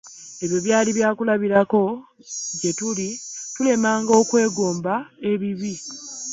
Ebyo byali byakulabirako gye tuli, tulemenga okwegomba ebibi.